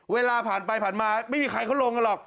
เวลาผ่านไปผ่านมาไม่มีใครเขาลงกันหรอก